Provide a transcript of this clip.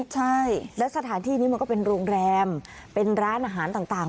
ใช่แล้วสถานที่นี้มันก็เป็นโรงแรมเป็นร้านอาหารต่าง